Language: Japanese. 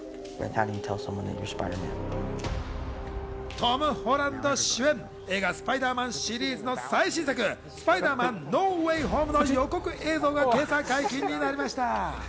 トム・ホランド主演、映画『スパイダーマン』シリーズの最新作、『スパイダーマン：ノー・ウェイ・ホーム』の予告映像が今朝、解禁になりました。